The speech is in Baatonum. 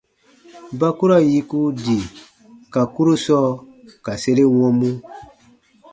Ba ku ra yiku di ka kurusɔ ka sere wɔmu.